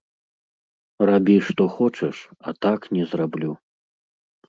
Рабі што хочаш, а так не зраблю.